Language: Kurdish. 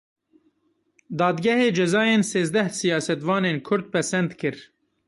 Dadgehê cezayên sêzdeh siyasetvanên kurd pesend kir.